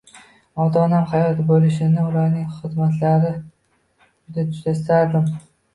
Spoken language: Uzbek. Ota-onam hayot boʻlishini, ularning xizmatlarini qilishni juda-juda istardim